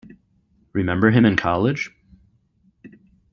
Remember him in college?